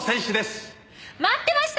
待ってました！